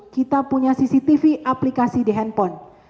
kita punya cctv aplikasi di handphone